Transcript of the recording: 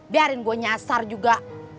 biarin gue nyasar juga